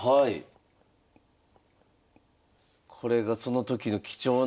これがその時の貴重な映像。